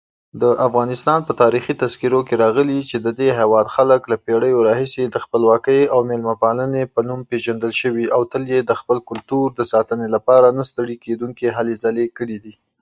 د افغانستان په تاريخي تذکیرو کې راغلي چې ددې هیواد خلک د پړیو راهيسي د خپلواکی او میلمه پالني په نوم پيژندل شوي او تل یې د خپل کلتور د ساتني لپاره نه ستړي کیدونکي هلې ځلې کړي دي